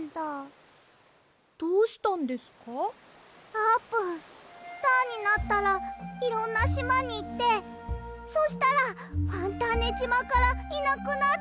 あーぷんスターになったらいろんなしまにいってそしたらファンターネじまからいなくなっちゃうんじゃ。